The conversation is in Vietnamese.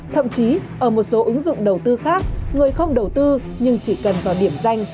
thậm chí ở một số ứng dụng đầu tư khác người không đầu tư nhưng chỉ cần vào điểm danh